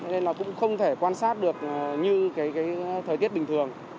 nên là cũng không thể quan sát được như cái thời tiết bình thường